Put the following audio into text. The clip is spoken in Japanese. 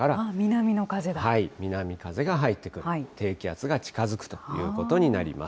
南風が入ってくる、低気圧が近づくということになります。